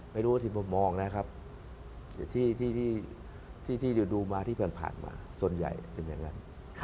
ไม่รู้ที่ผมมองนะครับที่ดูมาที่ผ่านมาส่วนใหญ่เป็นอย่างนั้น